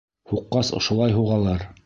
Һуҡҡас ошолай һуғалар!